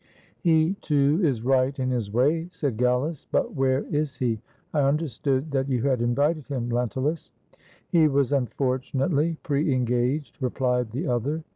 "He, too, is right in his way," said Gallus; "but where is he? I understood that you had invited him, Len tulus?" "He was unfortunately preengaged," replied the other.